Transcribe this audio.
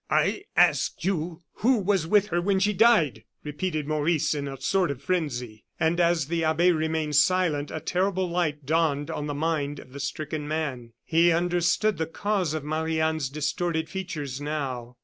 "I asked you who was with her when she died," repeated Maurice, in a sort of frenzy. And, as the abbe remained silent, a terrible light dawned on the mind of the stricken man. He understood the cause of Marie Anne's distorted features now.